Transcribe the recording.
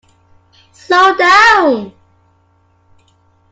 Slow down!